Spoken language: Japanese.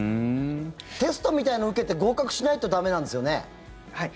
テストみたいのを受けて合格しないと駄目なんですよね？